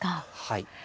はい。